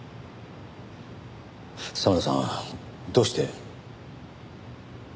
沙村さんどうして。